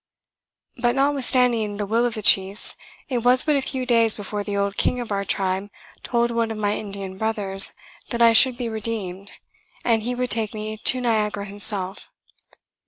But, notwithstanding the will of the chiefs, it was but a few days before the old king of our tribe told one of my Indian brothers that I should be redeemed, and he would take me to Niagara himself.